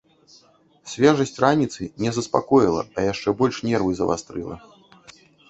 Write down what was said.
Свежасць раніцы не заспакоіла, а яшчэ больш нервы завастрыла.